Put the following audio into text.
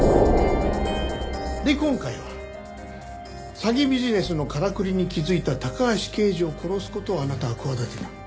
で今回は詐欺ビジネスのからくりに気づいた高橋刑事を殺す事をあなたは企てた。